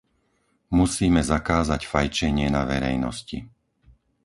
Musíme zakázať fajčenie na verejnosti.